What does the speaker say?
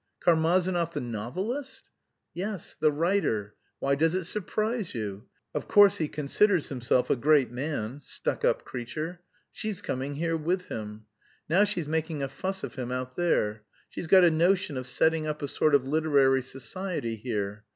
"Karmazinov, the novelist?" "Yes, the writer. Why does it surprise you? Of course he considers himself a great man. Stuck up creature! She's coming here with him. Now she's making a fuss of him out there. She's got a notion of setting up a sort of literary society here.